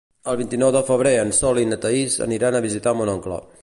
El vint-i-nou de febrer en Sol i na Thaís aniran a visitar mon oncle.